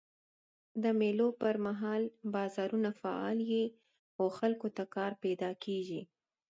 د مېلو پر مهال بازارونه فعاله يي او خلکو ته کار پیدا کېږي.